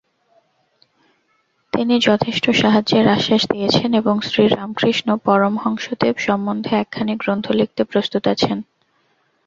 তিনি যথেষ্ট সাহায্যের আশ্বাস দিয়েছেন এবং শ্রীরামকৃষ্ণ পরমহংসদেব সম্বন্ধে একখানি গ্রন্থ লিখতে প্রস্তুত আছেন।